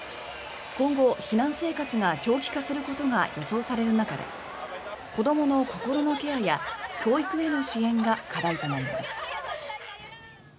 今後、避難生活が長期化することが予想される中で子どもの心のケアや教育への支援が課題となります。